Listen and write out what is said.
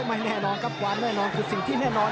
ไม่แน่นอนครับความแน่นอนคือสิ่งที่แน่นอน